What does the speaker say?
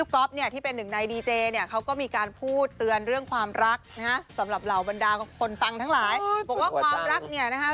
เขาอาจจะไม่จำเป็นต้องออกมาปล่าวประกาศก็ได้